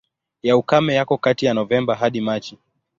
Ya ukame yako kati ya Novemba hadi Machi.